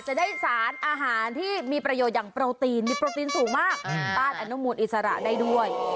จะได้สารอาหารที่มีประโยชน์อย่างโปรตีนมีโปรตีนสูงมากต้านอนุมูลอิสระได้ด้วย